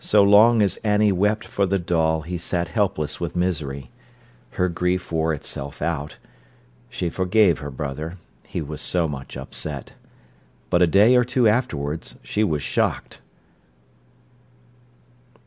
So long as Annie wept for the doll he sat helpless with misery. Her grief wore itself out. She forgave her brother—he was so much upset. But a day or two afterwards she was shocked.